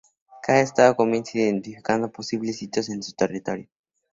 Cada Estado comienza identificando posibles sitios en su territorio.